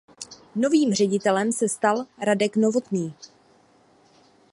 Novým ředitelem se stal Radek Novotný.